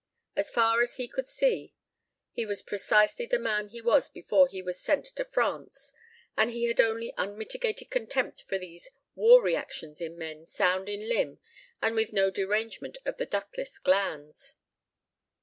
As far as he could see he was precisely the man he was before he was sent to France and he had only unmitigated contempt for these "war reactions" in men sound in limb and with no derangement of the ductless glands.